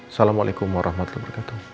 assalamualaikum warahmatullahi wabarakatuh